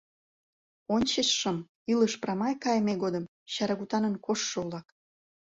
Ончычшым, илыш прамай кайыме годым, чарагутанын коштшо-влак!